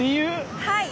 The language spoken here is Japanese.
はい！